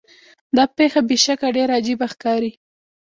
دا پیښه بې شکه ډیره عجیبه ښکاري.